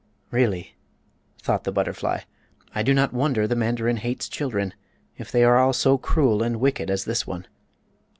"Really," thought the butterfly, "I do not wonder the mandarin hates children, if they are all so cruel and wicked as this one."